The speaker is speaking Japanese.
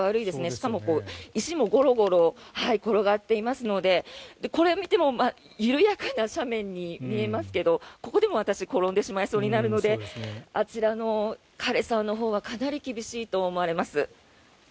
しかも、石もゴロゴロ転がっていますのでこれを見ても緩やかな斜面に見えますけどここでも私転んでしまいそうになるのであちらの枯れ沢のほうはかなり厳しいと思われます。